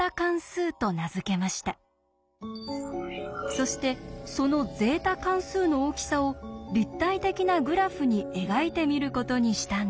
そしてそのゼータ関数の大きさを立体的なグラフに描いてみることにしたんです。